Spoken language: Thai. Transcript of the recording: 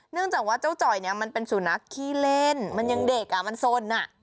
เนื่องจากว่าเจ้าจ่อยเนี่ยมันเป็นสุนัขขี้เล่นมันยังเด็กอ่ะมันสน